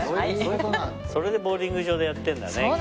それでボウリング場でやってんだね今日。